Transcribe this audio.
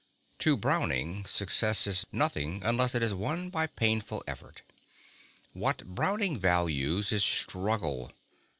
To Browning success is nothing unless it is won by painful effort. What Browning values is struggle.